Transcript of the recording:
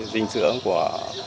dinh dưỡng của